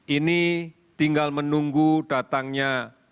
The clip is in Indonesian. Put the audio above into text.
ini tinggal menunggu datangnya